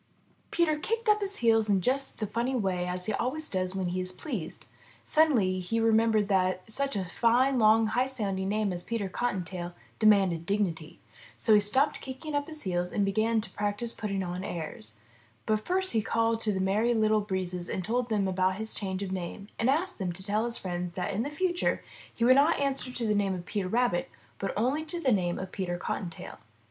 '' Peter kicked up his heels in just the funny way he always does when he is pleased. Suddenly he remembered that such a fine, long, high sounding name as Peter Cottontail demanded dignity. So he stopped kicking up his heels and began to practice putting on airs. But first he called to the Merry Little Breezes and told them about his change of name and asked them to tell all his friends that in the future he would not answer to the name of Peter Rabbit, but only to the name of Peter Cottontail.